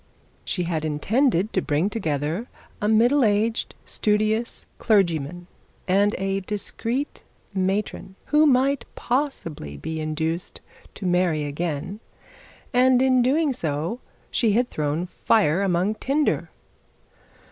She had intended to bring together a middle aged studious clergyman, and a discreet matron who might possibly be induced to marry again; and in doing she had thrown fire among tinder.